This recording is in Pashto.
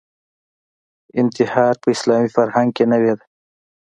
انتحار په اسلامي فرهنګ کې نوې ده